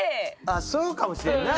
あっそうかもしれんな。